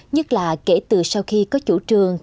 nhất là kể từ sau khi có chủ trường